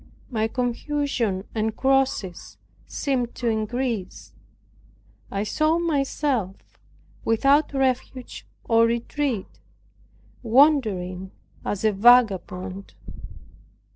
My confusion and crosses seemed to increase. I saw myself, without refuge or retreat, wandering as a vagabond.